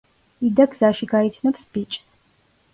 იდა გზაში გაიცნობს ბიჭს.